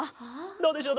どうでしょう？